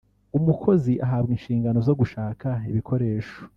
umukozi ahabwa inshingano zo gushaka ibikoresho